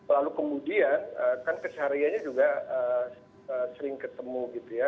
lalu kemudian kan kesaharianya juga sering ketemu